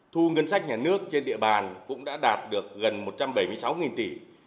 thu ngân sách nhà nước trên địa bàn cũng đã đạt được gần một trăm bảy mươi sáu tỷ